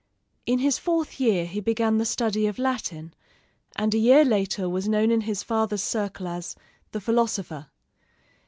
In his fourth year he began the study of Latin, and a year later was known in his father's circle as "the philosopher."